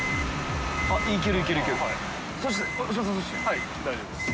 はい大丈夫です。